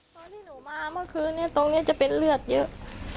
ตอนที่หนูมาเมื่อคืนนี้ตรงนี้จะเป็นเลือดเยอะ